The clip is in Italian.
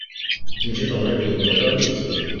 Il girone è vinto dall'Ischia.